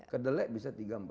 kedelai bisa tiga empat